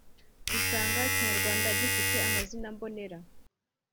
dusanga ikinyarwanda gifite amazina mbonera